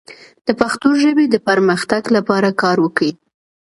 د پښتو ژبې د پرمختګ لپاره کار وکړئ.